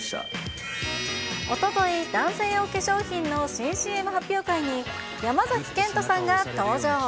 おととい、男性用化粧品の新ＣＭ発表会に山崎賢人さんが登場。